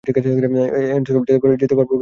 এনিষ্কোয়ামে যেতে পারব কিনা, ঠিক জানি না।